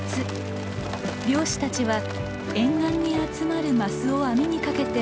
漁師たちは沿岸に集まるマスを網にかけて捕まえます。